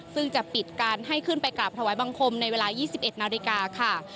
ซึ่งจะปิดการให้ขึ้นไปกราบถวายบังคมในเวลา๒๑นาฬิกาค่ะ